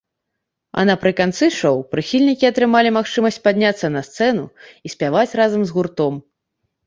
А напрыканцы шоў прыхільнікі атрымалі магчымасць падняцца на сцэну і спяваць разам з гуртом.